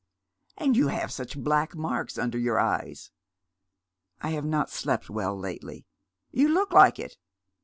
" And you have such black marks under your eyes." " I have not slept well lately." "You look like it.